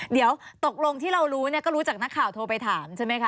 เดี๋ยวตกลงที่เรารู้เนี่ยก็รู้จากนักข่าวโทรไปถามใช่ไหมคะ